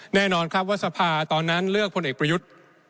แน่นอนครับว่าสภาตอนนั้นเลือกพลเอกประยุทธ์